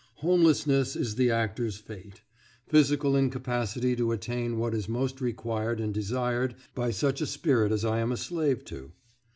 Homelessness is the actor's fate; physical incapacity to attain what is most required and desired by such a spirit as I am a slave to.